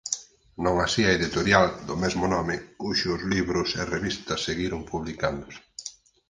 Non así a editorial do mesmo nome cuxos libros e revistas seguiron publicándose.